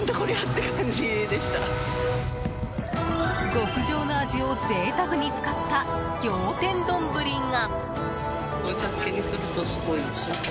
極上のアジを贅沢に使った仰天どんぶりが。